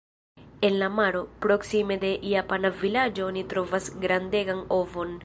En la maro, proksime de japana vilaĝo oni trovas grandegan ovon.